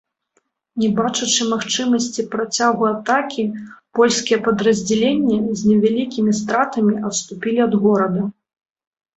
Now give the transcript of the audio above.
Не бачачы магчымасці працягу атакі, польскія падраздзяленні з невялікімі стратамі адступілі ад горада.